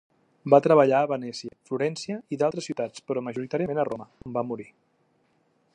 Va treballar a Venècia, Florència i d'altres ciutats, però majorment a Roma, on va morir.